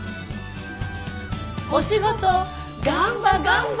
お仕事ガンバガンバ！